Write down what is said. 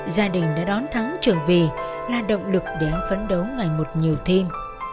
gia đình đã đón thắng trở về là động lực để anh phấn đấu ngày một nhiều thêm